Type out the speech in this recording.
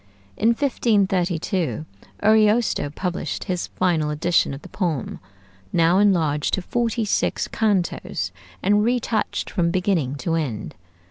In 1532 Ariosto published his final edition of the poem, now enlarged to forty six cantos, and retouched from beginning to end.